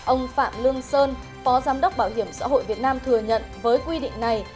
ông phạm lương sơn phó giám đốc bảo hiểm xã hội việt nam thừa nhận với quy định này